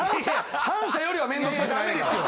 反社よりは面倒くさくないですよ。